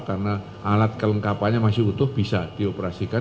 karena alat kelengkapannya masih utuh bisa dioperasikan